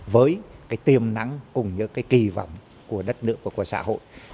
với cái tiềm nắng cùng với cái kỳ vọng của đất nước và của xã hội